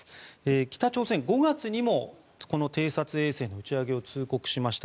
北朝鮮、５月にもこの偵察衛星の打ち上げを通告しました。